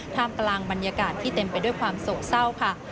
ท่ามกลางบรรยากาศที่เต็มไปด้วยความโศกเศร้าค่ะ